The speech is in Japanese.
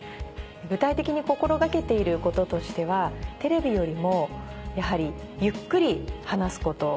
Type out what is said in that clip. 具体的に心掛けていることとしてはテレビよりもやはりゆっくり話すこと。